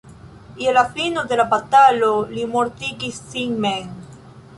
Je la fino de la batalo li mortigis sin mem.